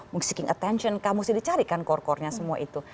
mengambil perhatian kamu sih dicarikan core core nya semua itu